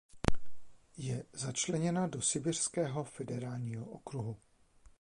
Je začleněna do Sibiřského federálního okruhu.